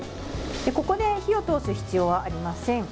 ここで火を通す必要はありません。